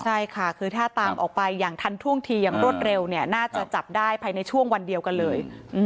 ใช่ค่ะคือถ้าตามออกไปอย่างทันท่วงทีอย่างรวดเร็วเนี่ยน่าจะจับได้ภายในช่วงวันเดียวกันเลย